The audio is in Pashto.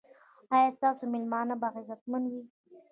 ایا ستاسو میلمانه به عزتمن وي؟